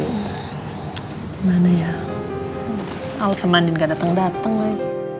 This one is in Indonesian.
gimana ya alsemanin gak dateng dateng lagi